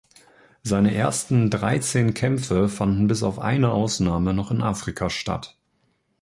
Seine ersten dreizehn Kämpfe fanden bis auf eine Ausnahme noch in Afrika statt.